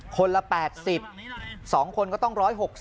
คนละ๘๐๒คนก็ต้อง๑๖๐